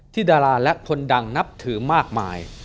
ดาราและคนดังนับถือมากมาย